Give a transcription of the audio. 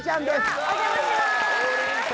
お邪魔します。